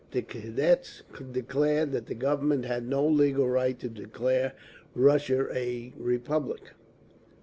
The Cadets declared that the Government had no legal right to declare Russia a republic.